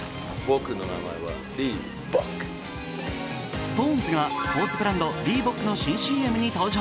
ＳｉｘＴＯＮＥＳがスポーツブランドリーボックの新ＣＭに登場。